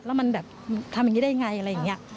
แล้วมันแบบทำอย่างนี้ได้ยังไงอะไรอย่างนี้